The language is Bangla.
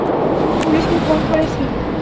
পুলিশকে ফোন করেছি।